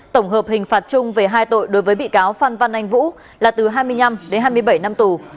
tổng hợp hình phạt chung về hai tội đối với bị cáo phan văn anh vũ là từ hai mươi năm đến hai mươi bảy năm tù